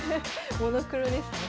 モノクロですね。